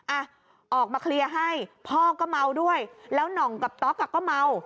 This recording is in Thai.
อ่ะออกมาเคลียร์ให้พ่อก็เมาด้วยแล้วหน่องกับต๊อกอ่ะก็เมา